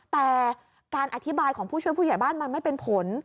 แต่การอธิบายของผู้ช่วยผู้ใหญ่บ้านมันไม่เป็นผล